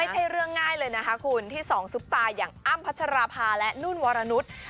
ไม่ใช่เรื่องง่ายเลยนะคะคุณที่สองซุปตาอย่างอ้ำพัชราภาและนุ่นวรนุษย์